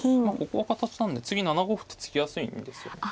ここは形なんで次７五歩と突きやすいんですよね。